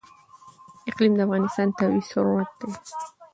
اقلیم د افغانستان طبعي ثروت دی.